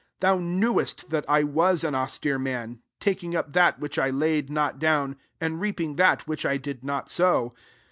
Thou knewest that I was an austere man, taking up that which I laid not down, and reaping that which I did not sow.